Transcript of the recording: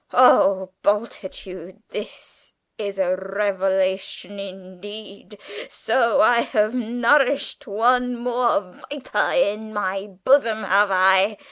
Oh, Bultitude, this is a revelation indeed! So I have nourished one more viper in my bosom, have I?